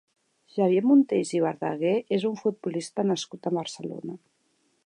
Xavier Monteys i Verdaguer és un futbolista nascut a Barcelona.